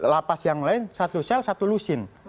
lapas yang lain satu sel satu lusin